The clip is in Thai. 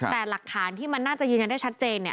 แต่หลักฐานที่มันน่าจะยืนยันได้ชัดเจน